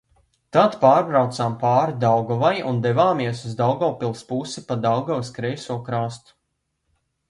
Tad pārbraucām pāri Daugavai un devāmies uz Daugavpils pusi pa Daugavas kreiso krastu.